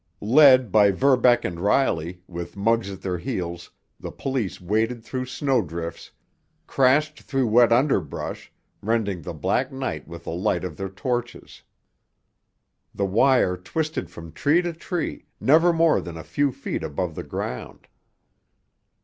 Led by Verbeck and Riley, with Muggs at their heels, the police waded through snowdrifts, crashed through wet underbrush, rending the black night with the light of their torches. The wire twisted from tree to tree, never more than a few feet above the ground.